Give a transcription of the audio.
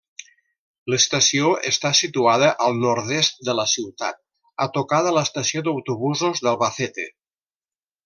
L'Estació està situada al nord-est de la ciutat, a tocar de l'Estació d'autobusos d'Albacete.